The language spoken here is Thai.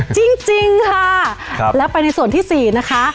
จริงจริงค่ะครับแล้วไปในส่วนที่สี่นะคะ